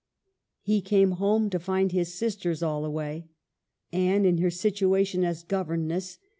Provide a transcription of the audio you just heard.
He came home to find his sisters all away. Anne in her situation as governess.